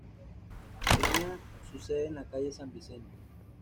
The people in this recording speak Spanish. Tenía su sede en la calle San Vicente.